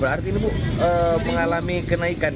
berarti ini bu mengalami kenaikan